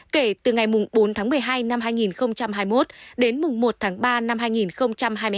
kể từ ngày bốn tháng một mươi hai năm hai nghìn hai mươi một đến mùng một tháng ba năm hai nghìn hai mươi hai